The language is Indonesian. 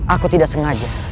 aku tidak sengaja